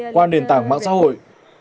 qua nền tảng mạng xã hội